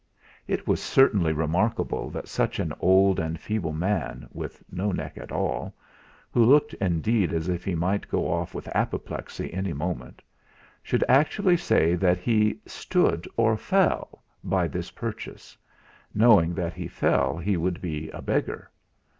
It was certainly remarkable that such an old and feeble man, with no neck at all, who looked indeed as if he might go off with apoplexy any moment, should actually say that he "stood or fell" by this purchase, knowing that if he fell he would be a beggar.